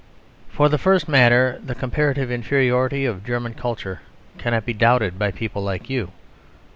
For the first matter, the comparative inferiority of German culture cannot be doubted by people like you.